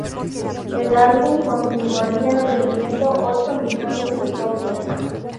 El álbum continuaría vendiendo ocho millones de copias.